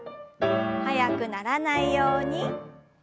速くならないようにチョキ。